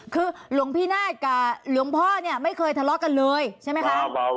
คือหลวงพี่นาฏกับหลวงพ่อเนี่ยไม่เคยทะเลาะกันเลยใช่ไหมคะ